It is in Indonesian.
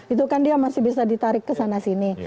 itu kan dia masih bisa ditarik kesana sini